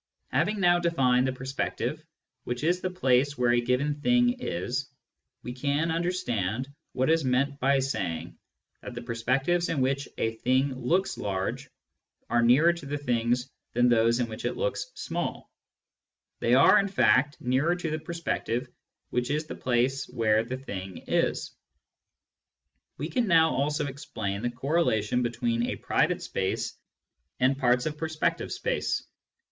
Having now defined the perspective which is the place where a given thing is, we can understand what is meant by saying that the perspectives in which a thing looks large are nearer to the thing than those in which it looks small : they are, in fact, nearer to the perspective which is the place where the thing is. Digitized by Google 92 SCIENTIFIC METHOD IN PHILOSOPHY We can now also explain the correlation between a private space and parts of perspective space.